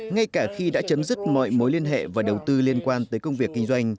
ngay cả khi đã chấm dứt mọi mối liên hệ và đầu tư liên quan tới công việc kinh doanh